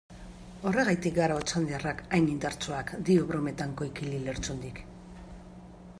Horregatik gara otxandiarrak hain indartsuak, dio brometan Koikili Lertxundik.